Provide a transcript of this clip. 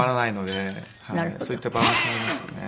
そういったバランスもありますよね。